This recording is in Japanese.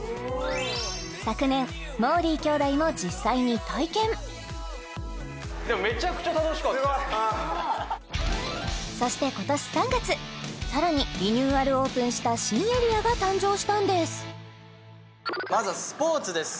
昨年もーりー兄弟も実際に体験そして今年３月さらにリニューアルオープンした新エリアが誕生したんですまずはスポーツです